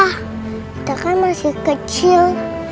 kita kan masih kecil